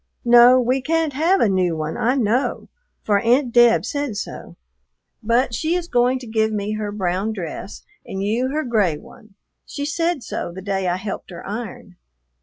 "No, we can't have a new one, I know, for Aunt Deb said so, but she is going to give me her brown dress and you her gray one; she said so the day I helped her iron.